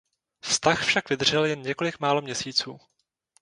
Vztah však vydržel jen několik málo měsíců.